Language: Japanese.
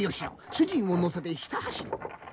主人を乗せてひた走る。